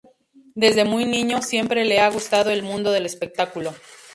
Desde muy niño, siempre le ha gustado el mundo del espectáculo.